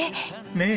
ねえ。